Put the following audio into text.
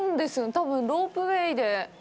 多分ロープウエーで。